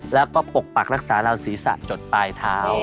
แล้วก็ปกปักรักษาเราศีรษะจดปลายเท้า